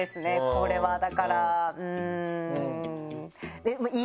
これはだからうん。